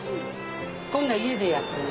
今度家でやってみる。